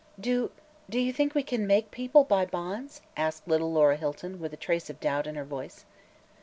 "Do do you think we can make people buy bonds?" asked little Laura Hilton, with a trace of doubt in her voice.